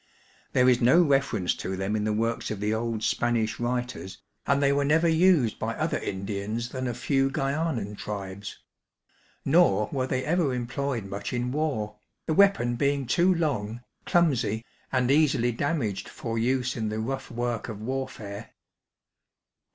There is no reference to them in the works of the old Spanish writers, and they were never used by other Indians than a few Gxuanan tribes ; nor were they ever employed much in war, the weapon being too long, clumsy, and easily damaged for use in the rough work of warfEure.